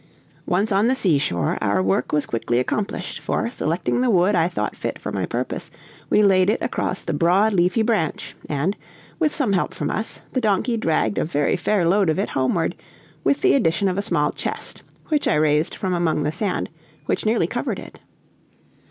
Once on the seashore, our work was quickly accomplished, for, selecting the wood I thought fit for my purpose, we laid it across the broad, leafy branch, and, with some help from us, the donkey dragged a very fair load of it homeward, with the addition of a small chest, which I raised from among the sand, which nearly covered it.